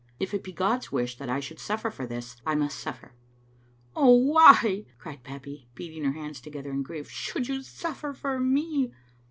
If it be God's wish that I should suffer for this, I must suffer." "Oh, why," cried Babbie, beating her hands together in grief, " should you suffer for me?"